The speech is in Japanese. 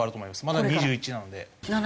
まだ２１なので。